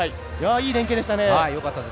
いい連係でしたね。